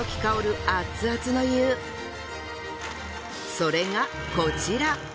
それがこちら。